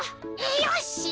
よし！